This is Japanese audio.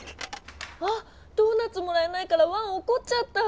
あドーナツもらえないからワンおこっちゃった！